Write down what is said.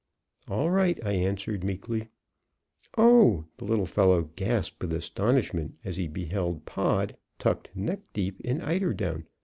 "All right," I answered meekly. "Oh!" the little fellow gasped with astonishment, as he beheld Pod tucked neck deep in eider down.